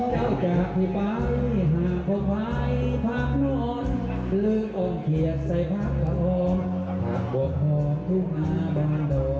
หลืนอมเขียกใส่พักกระโดนบวกพ่อทุกหมาบาลโดน